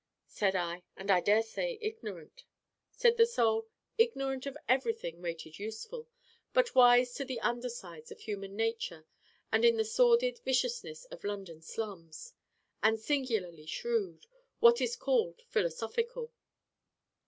Said I: 'And I daresay ignorant?' Said the Soul: 'Ignorant of everything rated useful, but wise to the under sides of human nature and in the sordid viciousness of London slums. And singularly shrewd what is called philosophical.